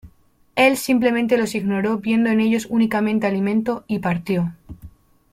Él simplemente los ignoró viendo en ellos únicamente alimento y partió.